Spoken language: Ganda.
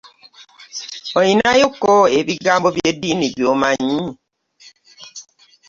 Olinayo kko ebigambo by'eddiini by'omanyi?